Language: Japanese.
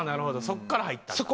そこから入ったんだ。